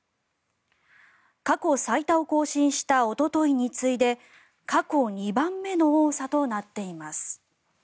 過去最多を更新したおとといに次いで過去２番目の多さとなっています。